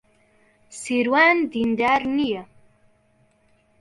سیروان دیندار نییە.